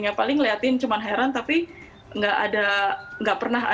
ya paling ngeliatin cuman heran tapi enggak ada enggak pernah heran